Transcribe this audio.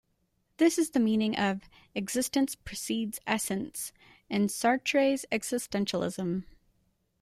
This is the meaning of "existence precedes essence" in Sartre's existentialism.